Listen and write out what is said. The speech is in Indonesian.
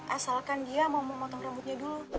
asalkan dia mau memotong rambutnya dulu